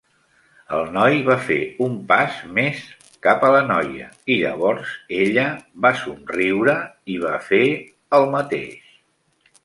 El noi va fer un pas més cap a la noia i llavors ella va somriure i va fer el mateix.